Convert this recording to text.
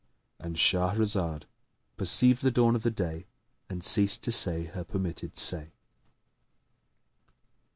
"—And Shahrazad perceived the dawn of day and ceased to say her permitted say.